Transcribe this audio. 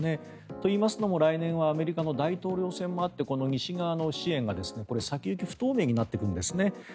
といいますのも来年はアメリカの大統領選もあって西側の支援が先行き不透明になってくるんです。